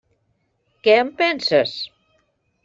Què en penses?